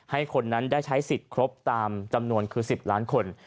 ให้คนนั้นได้ใช้สิทธิ์ครบตามจำนวนคือ๑๐ล้านคน